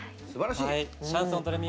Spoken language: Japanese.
「シャンソン・ド・レミ」